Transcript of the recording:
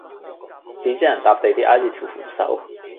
至憎人搭地鐵挨住條扶手